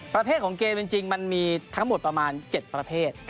ประเภทของเกมจริงมันมีทั้งหมดประมาณ๗ประเภท